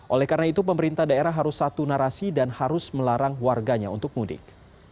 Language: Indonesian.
oleh karena itu pemerintah daerah harus satu narasi dan harus melarang warganya untuk mudik